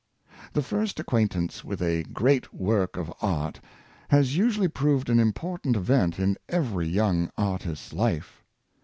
The first acquaintance with a great work of art has usually proved an important event in every young art ist's life.